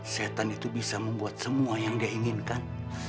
setan itu bisa membuat semua yang diinginkan